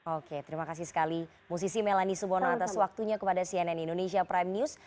oke terima kasih sekali musisi melani subono atas waktunya kepada cnn indonesia prime news